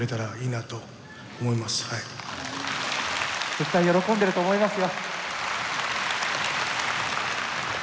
絶対喜んでると思いますよ。